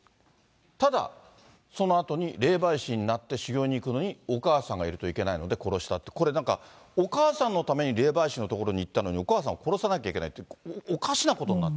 ただ、そのあとに霊媒師になって修行に行くのに、お母さんがいると行けないので、殺したって、これなんかお母さんのために霊媒師の所に行ったのに、お母さんを殺さなきゃいけないって、おかしなことになって。